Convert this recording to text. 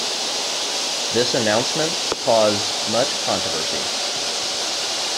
This announcement caused much controversy.